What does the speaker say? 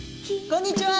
こんにちは。